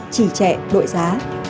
trì trẻ đội giá